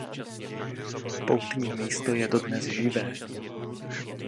Poutní místo je dodnes živé.